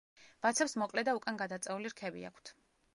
ვაცებს მოკლე და უკან გადაწეული რქები აქვთ.